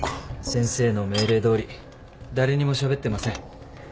先生の命令どおり誰にもしゃべってません。